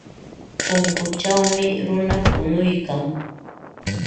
Punkuchawmi runa punuykan.